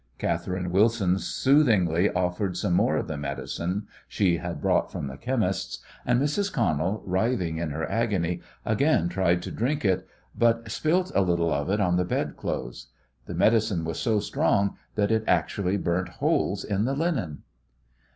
Catherine Wilson soothingly offered some more of the "medicine" she had brought from the chemist's, and Mrs. Connell, writhing in her agony, again tried to drink it, but spilt a little of it on the bed clothes. The "medicine" was so strong that it actually burnt holes in the linen!